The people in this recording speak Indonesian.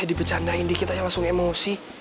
eh dibecandain dikit aja langsung emosi